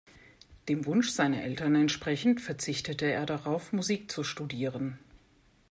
Dem Wunsch seiner Eltern entsprechend, verzichtete er darauf, Musik zu studieren.